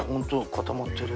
固まってる。